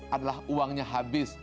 adalah uangnya habis